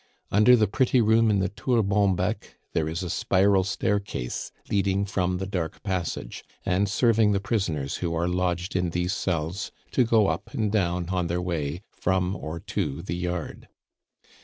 Under the pretty room in the Tour Bonbec there is a spiral staircase leading from the dark passage, and serving the prisoners who are lodged in these cells to go up and down on their way from or to the yard.